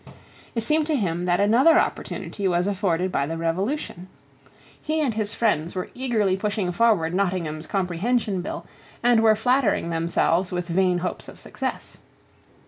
It seemed to him that another opportunity was afforded by the Revolution. He and his friends were eagerly pushing forward Nottingham's Comprehension Bill, and were flattering themselves with vain hopes of success.